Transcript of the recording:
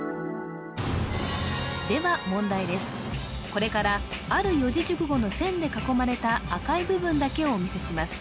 これからある四字熟語の線で囲まれた赤い部分だけをお見せします